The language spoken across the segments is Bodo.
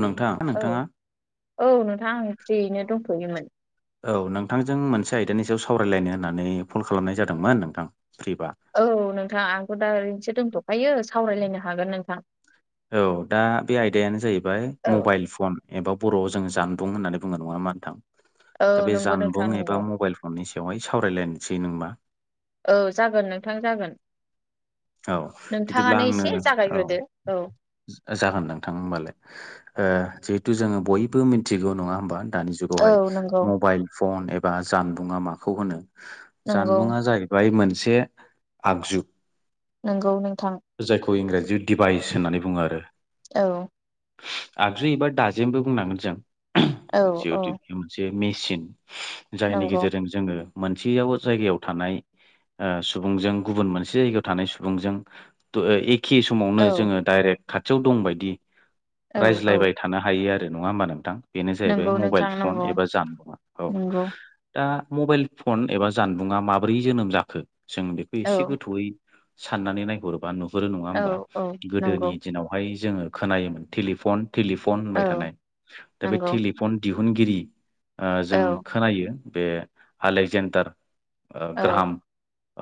नोंथां औ नोंथाङा औ नोंथाङां आं फ्रियैनो दंथ'योमोन औ नोंथांजों मोनसे आयदानि सायाव सावरायलायनो होननानै कल खालामनाय जादोंमोन नोंथां फ्रिबा औ नोंथां आंथ' दा ओरैनोसो दोनथ'खायो सावरायलायनो हागोन नोंथां औ दा बे आयदायानो जाहैबाय औ मबाइल फन एबा बर'आव जों जानबुं होननानै बुङो नङा होनबा नोंथां औ दा बे नंगौ नोंथां जानबुं नंगौ एबा मबाइल फननि सायावहाय सावरायलायनोसै नोंबा औ जागोन नोंथां जागोन औ बिदिब्ला नोंथाङानो आंनो एसे औ जागायग्रोदो औ जागोन नोंथां होमबालाय जिहेतु जोङो बयबो मिथिगौ नङा होमबा दानि जुग औ बेहाय नंगौ मबाइल फन एबा जानबुंङा माखौ होनो नंगौ जानबुङा जाहैबाय बाय मोनसे आगजु नोंगौ नोंथां जायखौ इंराजियाव दिभाइस होननानै बुङो आरो औ आगजु एबा दाजेमबो बुंनांगोन जों औ औ जिहेतु बे मोनसे मेचिन जायनि नंगौ गेजेरजों जोङो मोनसेयाव जायगायाव थानाय सुबुंजों गुबुन मोनसे जायगायाव थानाय सुबुंजों एखे समावनो औ जोङो डाइरेक्ट खाथियाव दंबायदि औ औ रायज्लायबाय थायो थानो हायो आरो नङा होमबा नोंथां बेनो जाहैबाय नंगौ मबाइल नोंथां फन नंगौ एबा जानबुं आरो नंगौ औ दा मबाइल फन एबा जानबुङा माब्रै जोनोम जाखो जों बेखौ औ एसे गोथौयै साननानै नायहरोबा नुहुरो नङा औ होमबा औ नंगौ गोदोनि दिनावहाय जोङो खोनायोमोन टेलिफन टेलिफन औ होनबाय थानाय दा बे नंगौ टेलिफन दिहुनगिरि औ जों खोनायो बे आलेक्जेन्डार औ ग्राहाम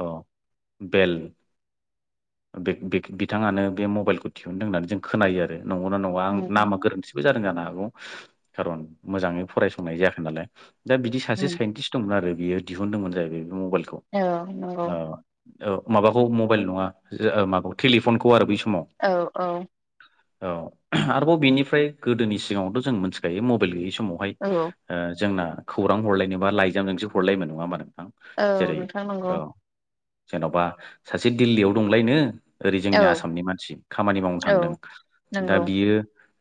औ बेल बिथाङानो बे मबाइलखौ दिहुनदों होननानै जों खोनायो आरो नंगौना नङा आं नंगौ नामा गोरोन्थि बो जादों जानो हागौ खारन मोजाङै फरायसंनाय जायाखै नालाय दा बिदि सासे उम साइनटिस्त मोन आरो बियो दिहुनदोंमोन जाहैबाय बे मबाइलखौ। औ नंगौ। ओ औ माबाखौ मबाइल नङा ओ माबाखौ टेलिफनखौ आरो बै समाव। औ औ औ आरोबाव बेनिफ्राय गोदोनि सिगाङावथ' जों मिथिखायो मबाइल गैयै समाव। बाहाय औ औ ओ जोंना खौरां हरलायनोबा लाइजामजोंसो हरलायमोन नङा होमबा नोंथां। औ जेरै नोंथां नंगौ औ जेन'बा सासे दिल्लीयाव दंलायनो ओरै औ जोंनि आसामनि मानसि खामानि मावनो औ थांदों, दा‌ नंगौ बियो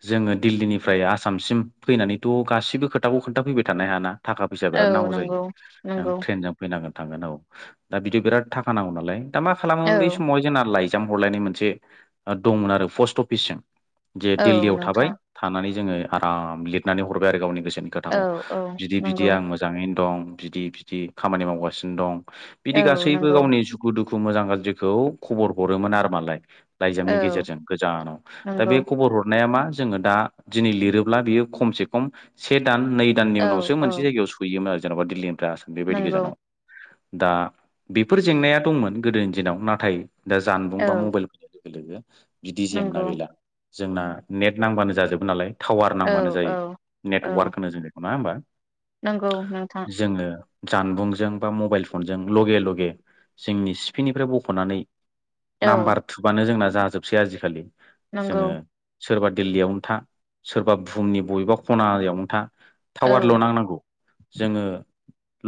जोङो दिल्लीनिफ्राय आसामसिम फैनानैथ' गासिबो खोथाखौ खोन्थाफैबाय थानो हायाना। थाखा फैसा औ बिराद नांगौ जायो नंगौ नों नंगौ ट्रेनजों फैनांगोन थांगोन औ दा बिदि बिराद थाखा नांगौ नालाय दा मा औ खालामोमोन बै समावहाय जोंना लाइजाम हरलायनाय मोनसे ओ दंमोन आरो पस्ट अफिसजों जे औ दिल्लीयाव थाबाय नोंथां थानानै जोङो आराम लिरनानै हरबाय आरो गावनि गोसोनि औ खोथाखौ औ बिदि बिदि नंगौ आं मोजाङैनो दं बिदि बिदि खामानि मावगासिनो दं। बिदि औ गासैबो नंगौ गावनि सुखु दुखु मोजां गाज्रिखौ खबर हरोमोन आरो मालाय लाइजामनि औ गेजेरजों गोजानाव दा नंगौ बे खबर हरनाया मा जोङो दा दिनै लिरोब्ला बियो खमसे खम से दान नै दाननि औ उनावसो औ मोनसे जायगायाव स फैयोमोन आरो जेन'बा दिल्लीनिफ्राय आसाम बेबायदि नंगौ गोजानाव दा बेफोर जेंनाया दंमोन गोदो दिनाव नाथाय दा जानबुं औ बा मबाइल होननाय लोगो लोगो बिदि जेंना नंगौ गैला। जोंना नेट नांबानो जाजोबो नालाय टावार औ नांबानो औ जायो। औ नेटवार्क होनो जों बेखौ नङा होमबा नंगौ नोंथां जोङो जानबुंजों बा मबाइल फनजों लगे लगे जोंनि सिफिनिफ्राय बख'नानै औ नाम्बार थुबानो जोंना जाजोबसै आजिखालि नंगौ जोङो सोरबा दिल्लीयावनो था सोरबा बुहुमनि बबेबा खनायावनो था औ टावारल' नांनांगौ जोङो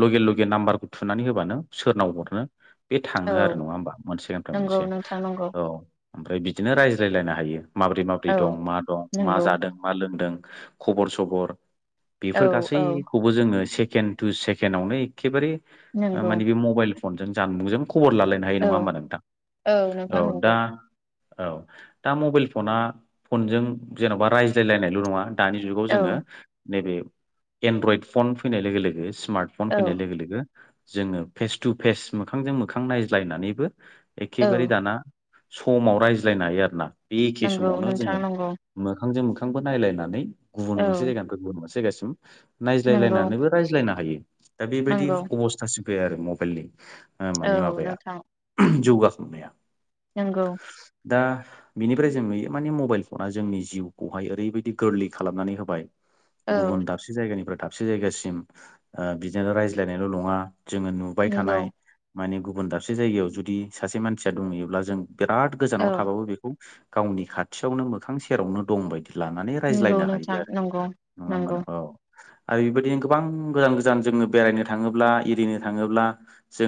लगे लगे नाम्बारखौ थुनानै होबानो सोरनाव हरनो बे थाङो आरो औ नङा होमबा मोनसेनिफ्राय नंगौ मोनसे नोंथां नंगौ औ ओमफ्राय बिदिनो रायज्लायलायनो हायो। माबोरै माबोरै औ दं मा दं मा नंगौ जादों मा लोंदों खबर सबर औ बेफोर औ गासैखौबो जोङो सेकेणड टु सेकेण्डआवनो खेबारे नंगौ माने बे मबाइल फन जों जानबुंजों खबर लालायना हायो औ नङा होमबा नोंथां नोंथां औ नंगौ दा औ दा मबाइल फना फनजों जेन'बा रायज्लायलायनायल' नङा दानि जुगाव औ जोङो नैबे एनड्रइड फन फैनाय लोगो लोगो स्मार्ट फन औ फैनाय लोगो लोगो जोङो फेस टु फेस मोखांजों मोखां नायज्लायनानैबो औ एखेबारे दाना समाव रायज्लायनो हायो आरोना बे एखे नंगौ समावनो नोंथां जोङो नंगौ मोखांजों मोखांबो नायलायनानै गुबुन औ मोनसे जायगानिफ्राय गुबुन मोनसे जायगासिम नंगौ नायज्लायलायनानैबो रायज्लायनो हायो दा बेबायदि नंगौ अबस्थासो फैबाय आरो मबाइलनि ओ औ माने माबाया नोंथां जौगा खांनाया नंगौ दा बिनिफ्राय जों नुयो माने मबाइल फना जोंनि जिउखौहाय ओरैबायदि गोरलै खालामनानै होबाय औ गुबुन दाबसे जायगानिफ्राय दाबसे जायगासिम बिदिनो रायज्लायनायल' नङा। जोङो नुबाय नंगौ थानाय माने गुबुन दाबसे जायगायाव जुदि सासे मानसिया दंहैयोब्ला जों बिराद औ गोजानाव थाबाबो बेखौ गावनि खाथियावनो मोखां सेरावनो दंबायदि लानानै नंगौ रायज्लायनो हायो नोंथां आरो, नंगौ नङा होमबा? नंगौ औ आरो बेबायदिनो गोबां गोजान गोजान जोङो बेरायनो थाङोब्ला एरिनो थाङोब्ला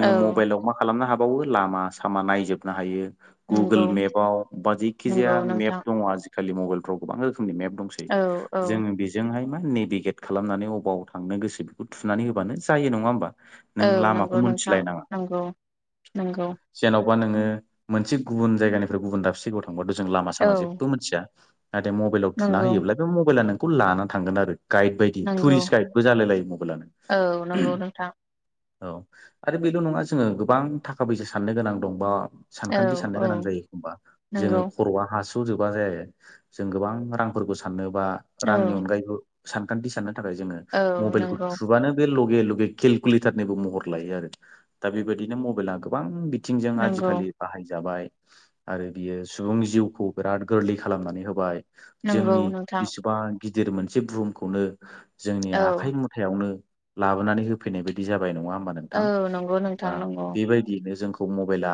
औ म मा खालामनो हाबावो लामा सामा नायजोबनो हायो। गुगोल नंगौ मेपाव बा जायखिजाया नंगौ मेप नोंथां दङ आजिखालि मबाइलफ्राव गोबां रोखोमनि मेप दंस औ औ जोङो बि बेजोंहाय मा नेभिगेट खालामनानै अबाव थांनो गोसो बेखौ थुनानै होबानो जायो नङा होमबा। औ नों लामाखौ नंगौ नोंथां मोनथिलायनाङा नंगौ नंगौ जेन'बा नोङो मोनसे गुबुन जायगानिफ्राय गुबुन दाबसे जायगायाव थांबाथ' जों लामा औ सामा जेबो मिथिया नाथाय मबाइलाव थुना नंगौ होयोब्ला नों मबाइला नोंखौ लाना थांगोन आरो गाइद बायदि नंगौ टुरिस्ट गाइदबो जालाय लायो औ मबाइलानो नंगौ नोंथां औ आरो बेल' नङा जोङो गोबां थाखा फैसा साननो गोनां दं बा औ सानखान्थि साननो औ गोनां जायो एखनबा जोङो नंगौ खर'आ हा स' जोबा जायो जों गोबां रांफोरखौ साननोबा औ रांनि अनगायैबो सानखान्थि साननो थाखाय जोङो औ मबाइलखौ नंगौ थ्रुबानो बे लगे लगे केलकुलेटारनिबो महर लायो आरो दा बेबायदिनो मबाइला गोबां बि आथिंजों आजि नंगौ खालि। बाहाय जाबाय आरो बियो सुबुंनि जिउखौ बिराद गोरलै खालामनानै होबाय। नंगौ जोंनि नोंथां बेसेबां गिदिर मोनसे बुहुमखौनो जोंनि औ आखाइ आखायावनो लाबोनानै होफैनाय बायदि जाबाय नङा होमबा नों औ नंगौ नोंथां। दा नंगौ बेबायदियैनो जोंखौ मबाइला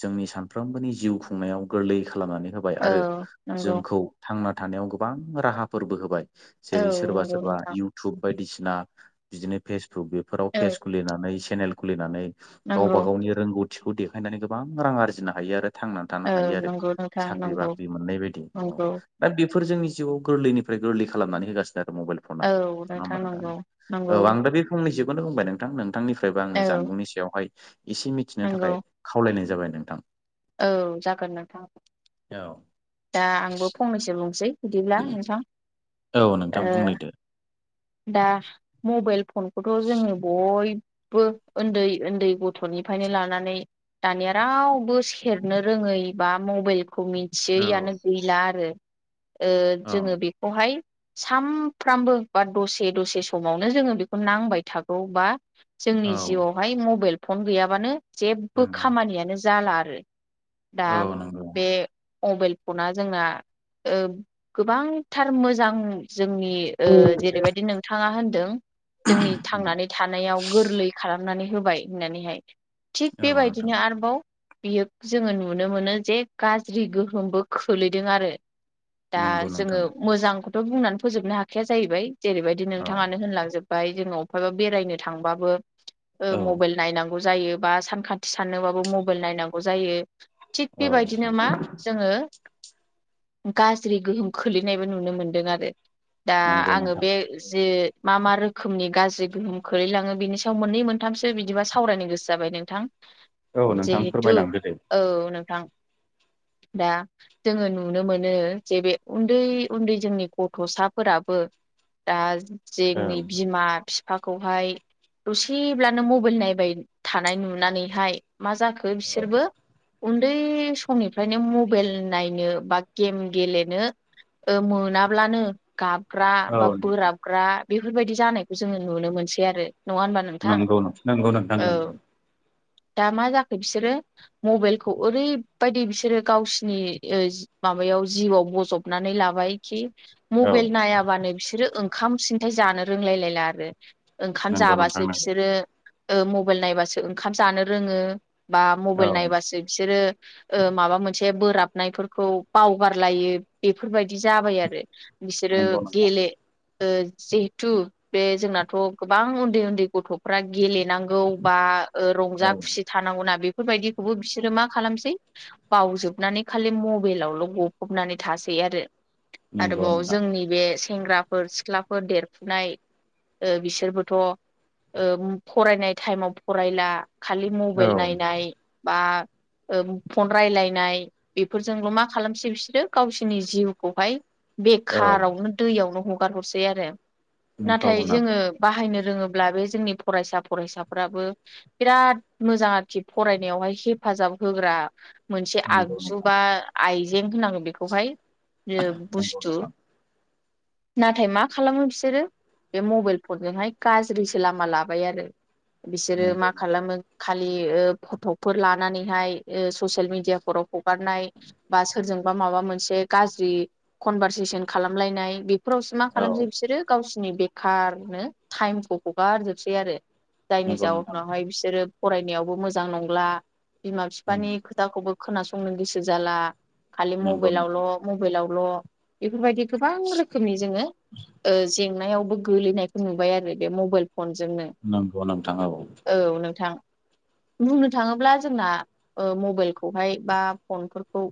जोंनि सानफ्रोमबोनि जिउ खुंनायाव गोरलै खालामनानै होबाय औ आरो नंगौ जोंखौ थांना थानायाव गोबां राहाफोरबो होबाय। औ जेरै सोरबा नंगौ सोरबा नोंथां इउ इउटुब बायदिसिना बिदिनो फेसबुक बेफोराव औ पेज खुलिनानै सेनेल खुलिनानै गावबा नंगौ गावनि रोंगौथिखौ देखायनानै गोबां रां आरजिनो हायो आरो। थांनानै थानो औ हायो आरो नंगौ नोंथां साख्रि नंगौ बाख्रि मोननाय बायदि। नंगौ दा बेफोर जोंनि जिउआव गोरलैनिफ्राय गोरलै खालामनानै होगासिनो आरो मबाइल नङा औ होनबा नोंथां नंगौ नंगौ औ दा फंनैसोखौनो बुंबाय नोंथां नोंथांनिफ्रायबो औ आङो जानबुंनि सायावहाय एसे मिथिनो नंगौ थाखाय खावलायनाय जाबाय नोंथां। औ जागोन नोंथां दा आंबो फंनैसो बुंसै बिदिब्ला नोंथां। औ नोंथां ओ बुंनाय दे। दा मबाइल फनखौथ' जोङो बय उन्दै उन्दै गथ'निफ्रायनो लानानै दानिया रावबो सेरनो रोङै बा मबाइलखौ मिथियैआनो गैला आरो। औ औ जोङो बेखौहाय सानफ्रामबो बा दसे दसे समावनो जोङो बेखौ नांबाय थागौ बा जोंनि जिउआवहाय मबाइल फन गैयाबानो जेबबो नंगौ खामानियानो जाला आरो। दा औ नंगौ बे मबाइल फना जोंना गोबांथार मोजां जोंनि जेरैबायदि नों नोंथांङा होनदों जोंनि थांनानै थानायाव गोरलै खालामनानै होबाय होननानैहाय। थिग औ नोंथां बेबायदिनो आरोबाव बियो जोंङो नुनो मोनो जे गाज्रि गोहोमबो खोलैदों आरो। दा नंगौ जोंङो नोंथां मोजांखौथ' बुंनानै फोजोबनो हाखाया जाहैबाय जेरै बायदि। औ बनोंथांङ नो होनलां जोबबाय जोंङो अफायबा बेरायनो थांबाबो औ मबाइल नायनांगौ। जायो बा सानखान्थि साननोबाबो मबाइल नायनांगौ जायो। थिग औ बेबायदिनो नोंथां मा जोंङो। गाज्रि गोहोम खोलैनायबो नुनो मोनदों आरो। दा नंगौ आंङो नोंथां बे जि मा मा रोखोमनि गाज्रि गोहोम खोलैलाङो बिनि सायाव मोननै मोनथामसो बिदिबा सावरायनो गोसो जाबाय नोंथां। [inaudible] औ नोंथां जिहेथु फोरमायलांदो दे। औ नोंथां दा जोङो नुनो मोनो जे बे उन्दै उन्दै जोंनि गथ'साफोराबो दा औ जोंनि बिमा बिफा बिफाखौहाय दसेब्लानो मबाइल नायबाय थानाय नुनानैहाय मा जाखो औ बिसोरबो उन्दै समनिफ्रायनो मबाइल नायनो बा गेम गेलेनो। मोनाब्लानो गाबग्रा औ बा बोराबग्रा बेफोर बायदि जानायखौ जोङो नुनो मोनसै आरो नङा होमबा नोंथां नंगौ नंगौ नोंथां औ नंगौ दा मा जाखो बिसोरो? मबाइलखौ ओरैबायदि बिसोरो गावसिनि। माबायाव जिउआव बजबनानै लाबाय खि औ मबाइल नायाबानो बिसोरो ओंखाम सिन्थाय जानो रोंलायलायला आरो ओंखाम नंगौ नोंथां जाबासो नंगौ बिसोरो ओ मबाइल नायबासो ओंखाम जानो रोंङो। बा मबाइल औ नायबासो बिसोरो ओ माबा मोनसे बोराबनायफोरखौ बावगारलायो बेफोरबायदि जाबाय आरो। बिसोरो नंगौ नोंथां गेले ओ जिहेथु बे जोंनाथ' गोबां उन्दै उन्दै गथ'फ्रा गेलेनांगौ औ बा ओ रंजा औ खुसि थानांगौना बेफोरबायदिखौबो बिसोरो मा खालामसै बावजोबनानै खालि मबाइलावल' गफबनानै थासै आरो। नंगौ आरोबाव नोंथां जोंनि बे सेंग्राफोर सिख्लाफोर देरफुनाय ओ बिसोरबोथ' ओ फरायनाय टाइमाव फरायला खालि म औ मबाइल नायनाय बा ओ फन रायलायनाय बेफोरजोंल' मा खालामसै बिसोरो गावसोरनि जिउखौहाय औ बेखारावनो दैयावनो हगार हरसै आरो नाथाय नंखागौना जोंङो। बाहायनो रोंङोब्ला बे जोंनि फरायसा फरायसाफ्राबो बिराद मोजां आरोखि फरायनायावहाय हेफाजाब होग्रा मोनसे नंगौ नोंथां आगजु बा। आइजें होनांगो बेखौहाय ओ नंगौ बुस्थु नोंथां नाथाय मा खालामो बिसोरो बे मबाइल फनजोंहाय गाज्रिसो लामा लाबाय आरो। बिसोरो नंगौ मा नोंथां खालामो? खालि ओ फट'फोर लानानैहाय ओ ससियेल मिडियाफोराव हगारनाय। बा सोरजोंबा माबा मोनसे गाज्रि कनभारसेसन खालामलायनाय बे बेफोरावसो मा औ खालामसै बिसोरो गावसोरनि बेखार नो टाइमखौ हगारजोबसै आरो। जायनि नंगौ नोंथां जाउनावहाय बिसोरो फरायनायावबो मोजां नंला बिमा बिफानि खोथाखौबो खोनासंनो गोसो जाला खालि नंगौ नोंथां मबाइलावल' मबाइलावल' बेफोरबायदि गोबां रोखोमनि जोंङों ओ जेंनायावबो गोलैनायखौ नुबाय आरो बे मबाइल फनजोंनो। नंगौ नोंथां औ। औ नोंथां। बुंनो थाङोब्ला जोंना ओ मबाइलखौहाय बा फनफोरखौ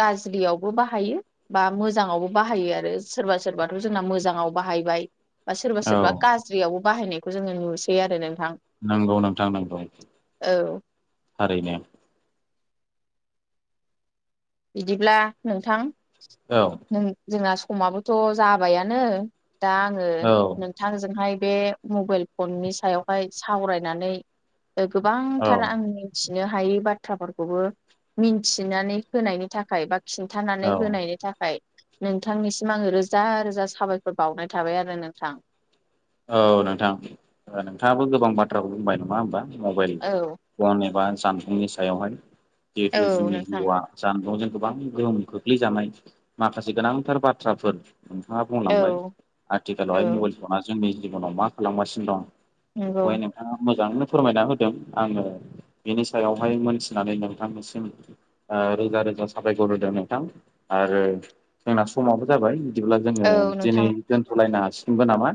गाज्रियावबो बाहायो। बा मोजाङावबो बाहायो आरो सोरबा सोरबाथ' जोंना मोजांङाव बाहायबाय। बा सोरबा औ सोरबा गाज्रियावबो बाहायनायखौ जोंङो नुसै आरो नोंथां नंगौ नोंथां नांगौ। औ। थारैनो। बिदिब्ला नोंथां औ नों जोंना समाबोथ' जाबायानो दा आङो नों औ नोंथांजोंहाय बे मबाइल फननि सायावहाय सावरायनानै ओ गोबांथार औ आं मिथिनो हायै बाथ्राफोरखौबो मिन्थिनानै होनायनि थाखाय बा खिन्थानानै होनायनि थाखाय नोंथांनिसिम आंङो रोजा रोजा साबायखर बावनाय थाबाय आरो नोंथां। औ नोंथां नोंथांङाबो गोबां बाथ्राखौ बुंबाय नंङा होमबा मबाइल औ फन एबा जानबुंनि सायावहाय औ जिहेतु जोंनि नोंथां जिउआ जानबुंजों गोबां गोहोम खोख्लैजानाय माखासे गोनांथार बाथ्राफोर नोंथाङा बुंलांबाय औ आथिखालावहाय औ मबाइल फना जोंनि जिबनाव मा खालामगासिनो दं। नंगौ बेखौहाय नों नोंथाङा मोजाङैनो फोरमायना होदों। आङो बेनि सायावहाय मोनथिनानै नोंथांनिसिम ओ रोजा रोजा साबायखर होदों नोंथां आरो जोंना समाबो जाबाय बिदिब्ला जोङो औ दिनै नोंथां दोनथ'लायनो हासिगोनबो नामा?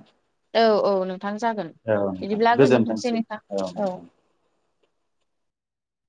औ औ नोंथां जागोन औ नोंथां बिदिब्ला गोजोनथोंसै नोंथां औ नोंथां।